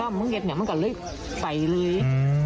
มันก็เลยไปเลย